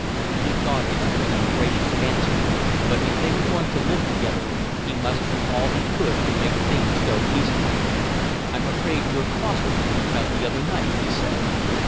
He thought it an ungracious answer, but if they were going to live together he must do all he could to make things go easily. "I'm afraid you're cross with me about the other night," he said.